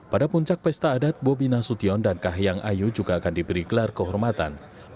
pada puncak pesta adat bobi nasution dan kahiyang ayu juga akan diberi gelar kehormatan